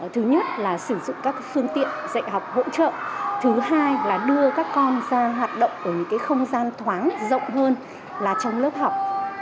thứ nhất là sử dụng các phương tiện dạy học hỗ trợ thứ hai là đưa các con ra hoạt động ở những không gian thoáng rộng hơn là trong lớp học